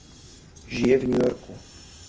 Žije v New Yorku.